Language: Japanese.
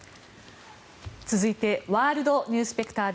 続いてワールド・ニュースペクター。